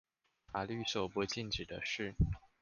法律所不禁止的事